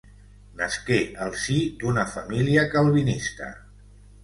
Nasqué al si d'una família calvinista.